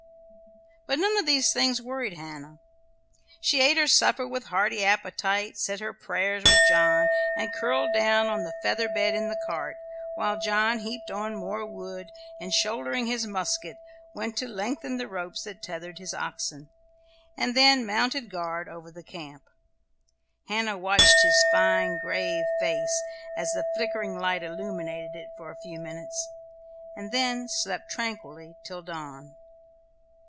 But none of these things worried Hannah. She ate her supper with hearty appetite, said her prayers with John, and curled down on the featherbed in the cart, while John heaped on more wood, and, shouldering his musket, went to lengthen the ropes that tethered his oxen, and then mounted guard over the camp. Hannah watched his fine, grave face, as the flickering light illuminated it, for a few minutes, and then slept tranquilly till dawn.